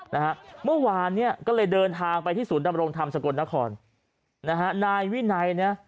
นะฮะเมื่อวานเนี้ยก็เลยเดินทางไปที่ศูนย์ดำรงธรรมสกลนครนะฮะนายวินัยเนี่ย